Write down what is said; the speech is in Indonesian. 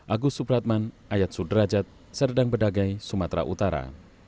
agus supratman ayat sudrajat serdang bedagai sumatera utara